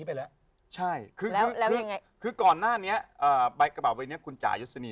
เวลาไปเมืองนอกนะเปิดดูภาฬังตกใจ